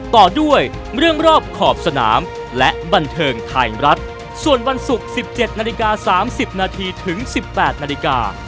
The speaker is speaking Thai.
ต่อด้วยเรื่องรอบขอบสนามและบันเทิงไทยรัฐส่วนวันศุกร์๑๗นาฬิกา๓๐นาทีถึง๑๘นาฬิกา